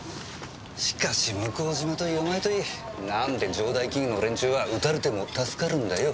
しかし向島といいお前といい何で城代金融の連中は撃たれても助かるんだよ？